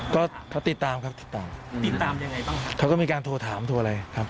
ก็เขาติดตามครับติดตามติดตามยังไงบ้างเขาก็มีการโทรถามโทรอะไรครับ